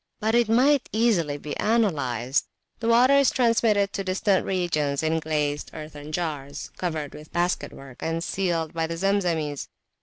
But it might easily be analysed. The water is transmitted to distant regions in glazed [p.164] earthern jars covered with basket work, and sealed by the Zemzemis.